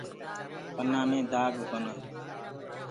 پنآ مي دآگ ڪونآ۔